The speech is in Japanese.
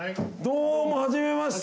どうも。